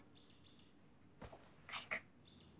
海君。